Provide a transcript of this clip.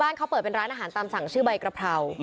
เขาเปิดเป็นร้านอาหารตามสั่งชื่อใบกระเพรา